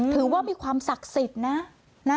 ถือว่ามีความศักดิ์สิทธิ์นะ